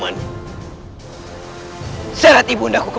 dan lesatan cemetiku jauh lebih kuat